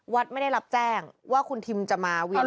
ไม่ได้รับแจ้งว่าคุณทิมจะมาเวียน